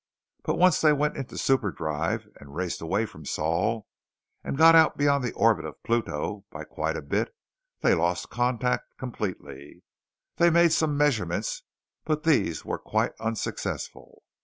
But once they went into superdrive and raced away from Sol and got out beyond the orbit of Pluto by quite a bit, they lost contact completely. They made some measurements but these were quite unsuccessful.